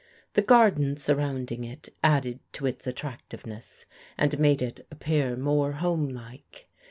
The garden surrounding it added to its attractiveness, and made it appear more homelike.